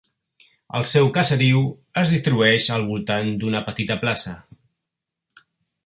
El seu caseriu es distribueix al voltant d'una petita plaça.